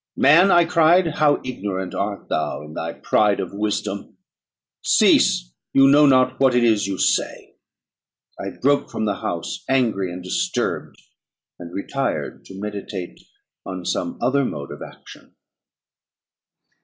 "Man," I cried, "how ignorant art thou in thy pride of wisdom! Cease; you know not what it is you say." I broke from the house angry and disturbed, and retired to meditate on some other mode of action.